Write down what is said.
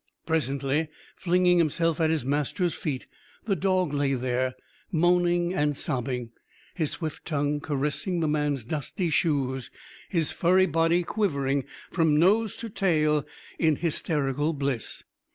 Presently, flinging himself at his master's feet, the dog lay there, moaning and sobbing, his swift tongue caressing the man's dusty shoes, his furry body quivering from nose to tail in hysterical bliss.